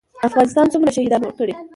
افغانستان څومره شهیدان ورکړي؟